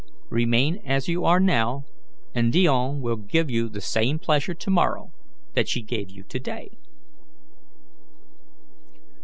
Remain as you are now, and Dione will give you the same pleasure tomorrow that she gave to day."